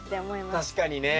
確かにね。